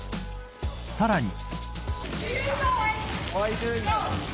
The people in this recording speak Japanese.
さらに。